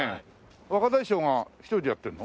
若大将が１人でやってるの？